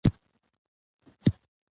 هغه ویلي و، اختلاف باید نه وي.